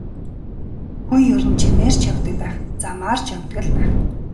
Хүн ер нь жимээр ч явдаг байх, замаар ч явдаг л байх.